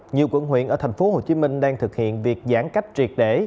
nhiều quận huyện ở tp hcm đang thực hiện việc giãn cách triệt để